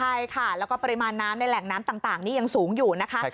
ใช่ค่ะแล้วก็ปริมาณน้ำในแหล่งน้ำต่างนี่ยังสูงอยู่นะคะ